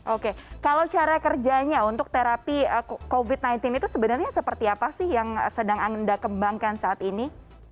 oke kalau cara kerjanya untuk terapi covid sembilan belas itu sebenarnya seperti apa sih yang sedang anda kembangkan saat ini